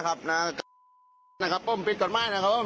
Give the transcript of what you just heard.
กระบะสีบาลรับป้ายทะเบียนขาวเนี่ย